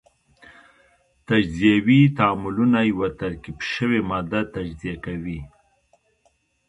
تجزیوي تعاملونه یوه ترکیب شوې ماده تجزیه کوي.